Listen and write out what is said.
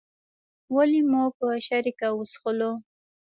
ولې مو په شریکه وڅښلو.